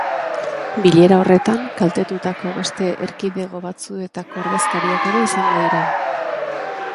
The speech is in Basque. Bilera horretan kaltetutako beste erkidego batzuetako ordezkariak ere izango dira.